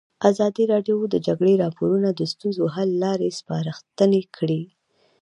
ازادي راډیو د د جګړې راپورونه د ستونزو حل لارې سپارښتنې کړي.